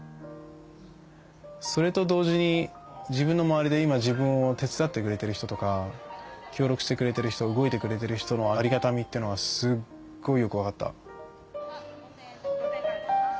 それと同時に自分の周りで今自分を手伝ってくれてる人とか協力してくれてる人動いてくれてる人のありがたみってのはすっごいよく分かった。